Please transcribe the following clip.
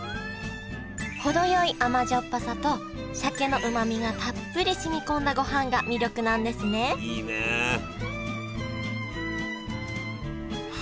程よい甘じょっぱさと鮭のうまみがたっぷりしみこんだごはんが魅力なんですねは